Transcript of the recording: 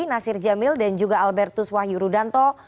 nasir jamil dan juga albertus wahyu rudanto